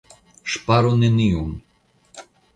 Ŝparu neniun!